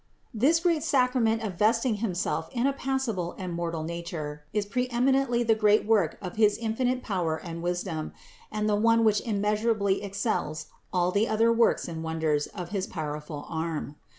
This great sacrament of vesting Himself in a passible and mortal nature is pre eminently the great work of his infinite power and wisdom and the one which immeasurably ex cels all the other works and wonders of his powerful arm.